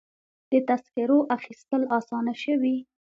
د تذکرو اخیستل اسانه شوي؟